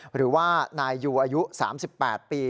หรือว่านายยูอายุ๓๘ปี